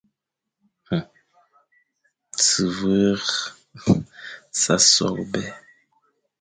Tsvr sa soghbe.